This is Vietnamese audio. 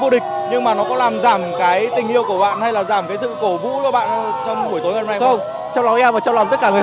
dù là mình không thắng